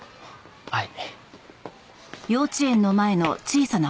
はい。